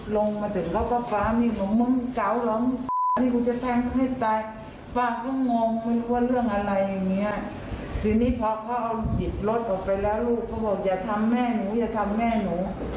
แล้วลูกเขาบอกอย่าทำแม่หนูอย่าทำแม่หนู